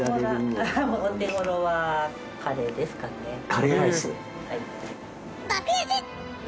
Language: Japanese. カレーライス。